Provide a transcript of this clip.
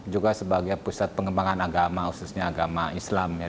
juga sebagai pusat pengembangan agama khususnya agama islam ya